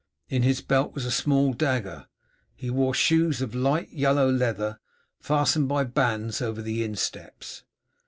In his belt was a small dagger. He wore shoes of light yellow leather fastened by bands over the insteps.